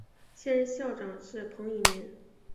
现任校长是彭绮莲。